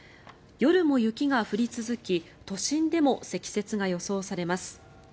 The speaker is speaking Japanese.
夜も雪が降り続き都心でも積雪が予想されます。